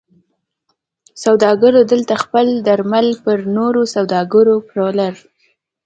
سوداګرو دلته خپل درمل پر نورو سوداګرو پلورل.